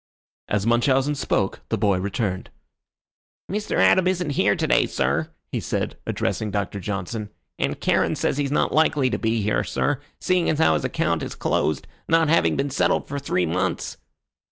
As Munchausen spoke, the boy returned. "Mr. Adam isn't here to day, sir," he said, addressing Doctor Johnson. "And Charon says he's not likely to be here, sir, seeing as how his account is closed, not having been settled for three months."